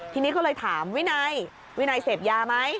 ทีนี้ก็เลยถามวินัยวินัยเสพยาไหม